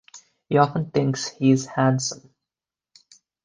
He often thinks he's handsome.